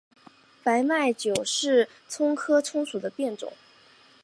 白脉韭是葱科葱属的变种。